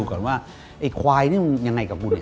ก่อนว่าไอ้ควายนี่มึงยังไงกับกูเนี่ย